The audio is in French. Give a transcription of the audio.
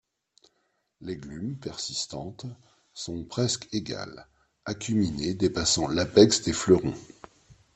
Les glumes, persistantes, sont presque égales, acuminées, dépassant l'apex des fleurons.